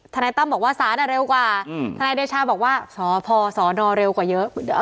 นายตั้มบอกว่าสารเร็วกว่าทนายเดชาบอกว่าสพสนเร็วกว่าเยอะ